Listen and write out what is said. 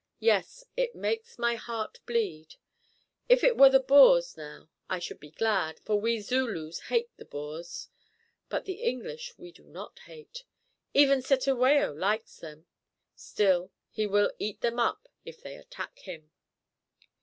Yes, it makes my heart bleed. If it were the Boers now, I should be glad, for we Zulus hate the Boers; but the English we do not hate; even Cetewayo likes them; still he will eat them up if they attack him."